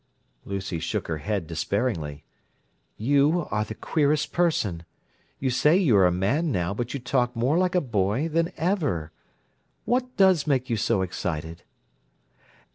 Lucy shook her head despairingly. "You are the queerest person! You say you're a man now, but you talk more like a boy than ever. What does make you so excited?"